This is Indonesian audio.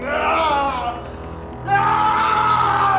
yang menjaga keamanan